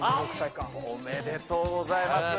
おめでとうございます。